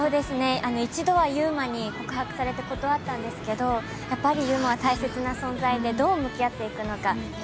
一度は祐馬に告白されて断ったんですけど、やっぱり祐馬は大切な存在で、どうなっていくのか。